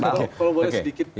kalau boleh sedikit